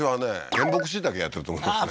原木椎茸やってると思いますね